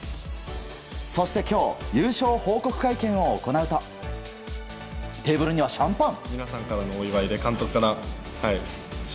そして今日、優勝報告会見を行うとテーブルにはシャンパン。